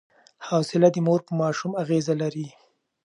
حوصله د مور په ماشوم اغېز لري.